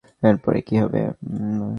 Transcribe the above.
এর পরে কী হবে?